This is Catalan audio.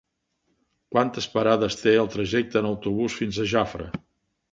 Quantes parades té el trajecte en autobús fins a Jafre?